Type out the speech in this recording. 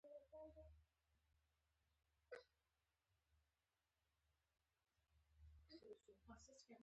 د قهوې دانه د هوښیارۍ لپاره وکاروئ